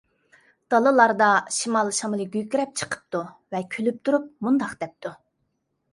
دالىلاردا شىمال شامىلى گۈركىرەپ چىقىپتۇ ۋە كۈلۈپ تۇرۇپ مۇنداق دەپتۇ.